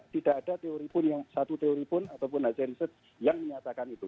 tidak ada satu teori pun atau hasil riset yang menyatakan itu